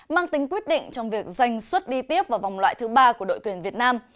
mang tính quyết định trong việc danh xuất đi tiếp vào vòng loại thứ ba của đội tuyển việt nam